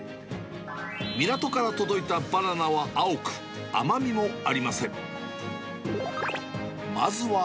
港から届いたバナナは青く、甘みもありません。